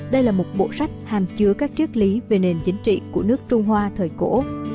đây là một bộ sách hàm chứa các triết lý về nền chính trị của nước trung hoa thời cổ